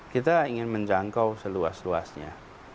kita ingin menjangkau seluas luasnya